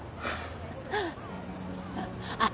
あっ。